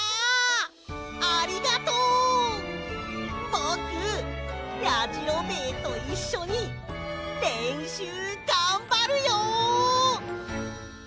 ぼくやじろべえといっしょにれんしゅうがんばるよ！